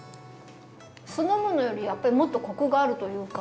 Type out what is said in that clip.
酢の物よりやっぱりもっとコクがあるというか。